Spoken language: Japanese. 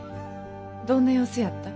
どんな様子やった？